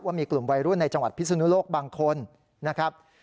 ว่ามีกลุ่มวัยรุ่นในจังหวัดพิศนุโลกบางคนนะครับ